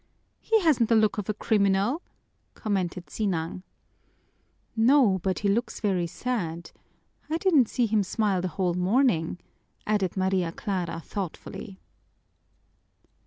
"He hasn't the look of a criminal," commented Sinang. "No, but he looks very sad. I didn't see him smile the whole morning," added Maria Clara thoughtfully.